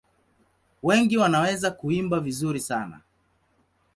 Wengi wanaweza kuimba vizuri sana.